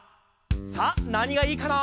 さあなにがいいかな？